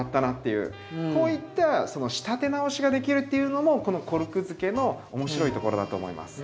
こういったその仕立て直しができるっていうのもこのコルクづけの面白いところだと思います。